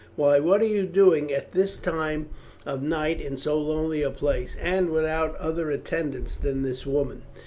"Why, what are you doing at this time of night in so lonely a place, and without other attendants than this woman?"